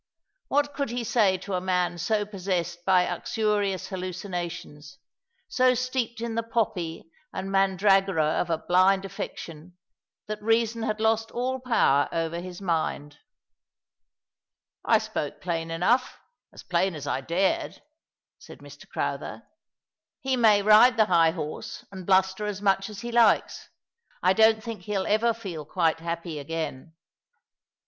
What could he say to a man so possessed by uxorious hallucinations, so steeped in the poppy and mandragora of a blind affection, that reason had lost all power over his mind. "I spoke plain enough — as plain as I dared," said Mr. Crowther. "lie may ride the high horse and bluster as much as he likes. I don't think he'll ever feel quite happy again."